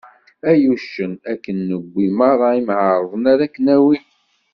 Ay uccen, akken newwi meṛṛa imεerḍen ara ak-nawi.